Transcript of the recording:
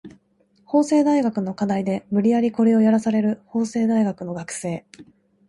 法政大学の課題で無理やりコレをやらされる法政大学の学生